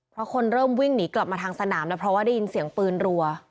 เพราะคนเริ่มวิ่งหนีกลับมาทางสนามแล้วเพราะว่าได้ยินเสียงปืนรัว